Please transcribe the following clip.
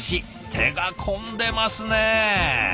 手が込んでますね。